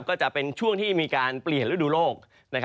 ก็จะเป็นช่วงที่มีการเปลี่ยนฤดูโลก